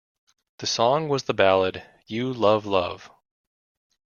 The song was the ballad "You Love Love".